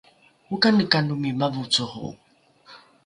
okanekanomi mavocoro?